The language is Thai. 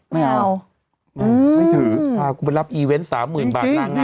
ไม่เอาอืมไม่ถืออ่ากูมารับอีเว้นต์สามหมื่นบาทน้ำน้ำรอบเวที